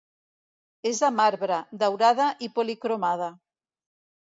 És de marbre, daurada i policromada.